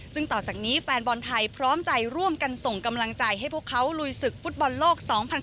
ซึ่งต่อจากนี้แฟนบอลไทยพร้อมใจร่วมกันส่งกำลังใจให้พวกเขาลุยศึกฟุตบอลโลก๒๐๑๖